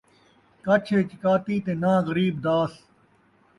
کَچھ ءِچ کاتی تے ناں غریب داس